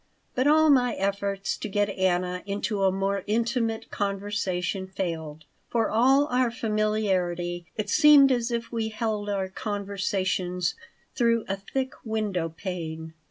But all my efforts to get Anna into a more intimate conversation failed. For all our familiarity, it seemed as if we held our conversations through a thick window pane.